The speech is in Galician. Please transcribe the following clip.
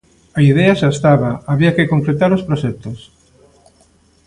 A idea xa estaba, había que concretar os proxectos.